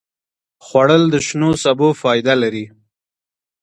خوړل د شنو سبو فایده لري